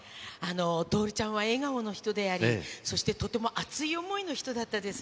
徹ちゃんは笑顔の人であり、そしてとても熱い思いの人だったです。